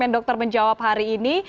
dokter menjawab hari ini